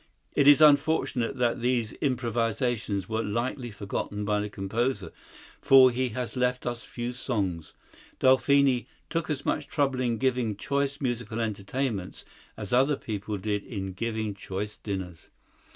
It is unfortunate that these improvisations were lightly forgotten by the composer, for he has left us few songs. Delphine "took as much trouble in giving choice musical entertainments as other people did in giving choice dinners."